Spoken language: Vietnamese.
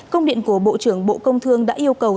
công điện của bộ trưởng bộ công thương đã yêu cầu